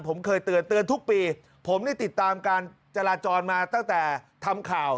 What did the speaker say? ผมเคยเตือนเตือนทุกปีผมได้ติดตามการจราจรมาตั้งแต่ทำข่าว